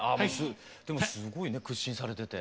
でもすごいね屈伸されてて。